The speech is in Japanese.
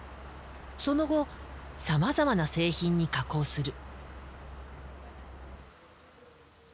その後さまざまな製品に加工する。